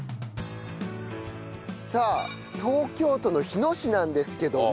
さあ東京都の日野市なんですけども。